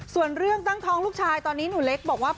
ส่วนเรื่องตั้งท้องลูกชายตอนนี้หนูเล็กบอกว่า